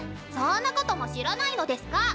そんなことも知らないのデスカ！